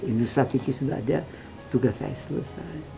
industri kaki sudah ada tugas saya selesai